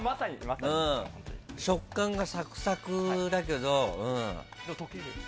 食感がサクサクだけど。